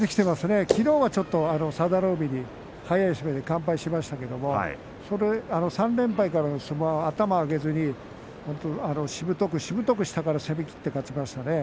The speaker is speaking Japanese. きのうは佐田の海に完敗しましたけれども３連敗からの相撲は頭を上げずに、しぶとくしぶとく下から攻めきって勝ちましたね。